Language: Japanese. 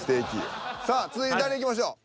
さあ続いて誰いきましょう？